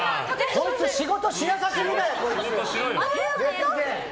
こいつ仕事しなさすぎない？